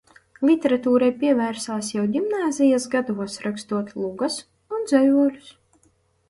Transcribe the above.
Literatūrai pievērsās jau ģimnāzijas gados, rakstot lugas un dzejoļus.